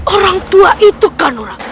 orang tua itu kan orang